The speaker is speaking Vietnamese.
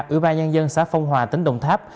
ủy ban nhân dân xã phong hòa tỉnh đồng tháp